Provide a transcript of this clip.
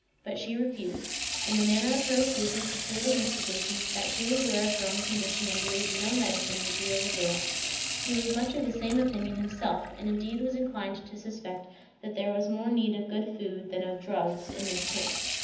But she refused; and the manner of her refusal persuaded Mr. Digby that she was aware of her own condition and believed no medicine would be of avail. He was much of the same opinion himself; and indeed was inclined to suspect that there was more need of good food than of drugs in this case.